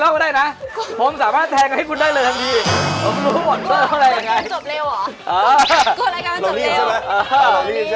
มีอะไรบอกวะเนี๊อะ